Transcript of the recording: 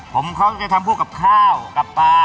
ผมเขาจะทำพวกกับข้าวกับปลา